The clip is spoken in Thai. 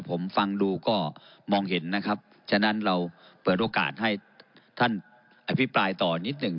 ผมฟังดูก็มองเห็นนะครับฉะนั้นเราเปิดโอกาสให้ท่านอภิปรายต่อนิดหนึ่ง